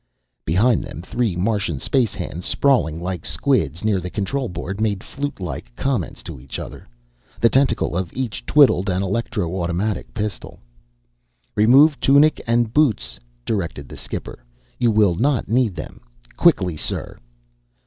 Behind them three Martian space hands, sprawling like squids near the control board, made flutelike comments to each other. The tentacle of each twiddled an electro automatic pistol. "Rremove tunic and bootss," directed the skipper. "You will not need them. Quickly, ssirr!"